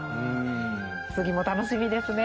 次も楽しみですね。